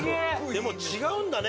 でも違うんだね